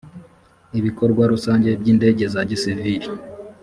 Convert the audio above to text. ibikorwa rusange by indege za gisivili